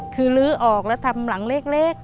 คือลื้อออกแล้วทำหลังเล็ก